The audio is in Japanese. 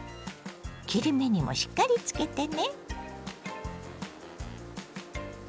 切り目にもしっかりつけてね。